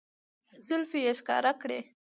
زلفې يې ښکاره کړې